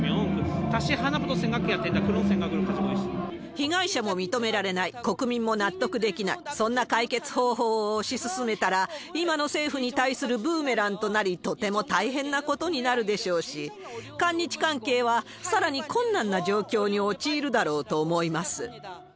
被害者も認められない、国民も納得できない、そんな解決方法を推し進めたら、今の政府に対するブーメランとなり、とても大変なことになるでしょうし、韓日関係はさらに困難な状況に陥るだろうと思います。